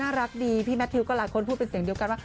รักดีพี่แมททิวก็หลายคนพูดเป็นเสียงเดียวกันว่า